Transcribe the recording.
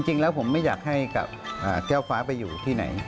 จริงแล้วผมไม่อยากให้กับแก้วฟ้าไปอยู่ที่ไหน